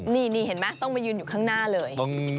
นี่เห็นไหมต้องมายืนอยู่ข้างหน้าเลย